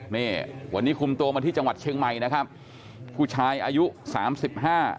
นี่วันนี้คุมตัวมาที่จังหวัดเชียงใหม่นะครับผู้ชายอายุสามสิบห้า